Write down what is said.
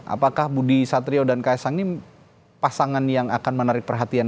apakah budi satrio dan kaisang ini pasangan yang akan menarik perhatian